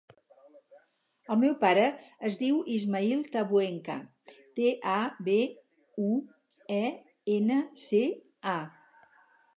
El meu pare es diu Ismaïl Tabuenca: te, a, be, u, e, ena, ce, a.